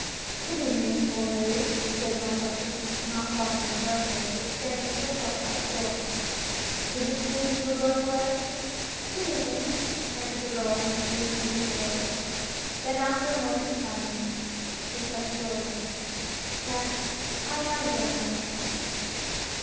"Good evening, Bonne Marie," said Jean Baptiste, not crossing the threshold, but standing just outside the door. " Is it true that you are going away ?" "Good evening," answered the girl in her sweet musical voice. Then after a moment's silence, she said slowly : "Yes — I am — going away."